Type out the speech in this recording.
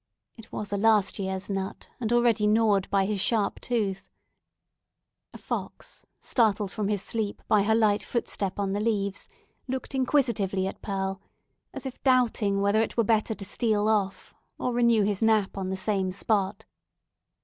It was a last year's nut, and already gnawed by his sharp tooth. A fox, startled from his sleep by her light footstep on the leaves, looked inquisitively at Pearl, as doubting whether it were better to steal off, or renew his nap on the same spot.